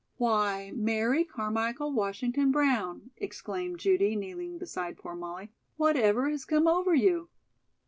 "Why, Mary Carmichael Washington Brown," exclaimed Judy, kneeling beside poor Molly, "whatever has come over you?"